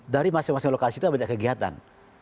dari masing masing lokasi itu ada banyak kegiatan